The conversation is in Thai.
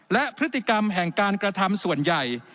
และพฤติกรรมแห่งการกระทำส่วนใหญ่